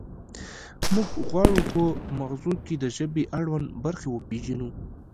موږ غواړو په مغزو کې د ژبې اړوند برخې وپیژنو